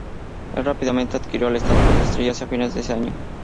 El rápidamente adquirió el estatus de estrella hacia fines de ese año.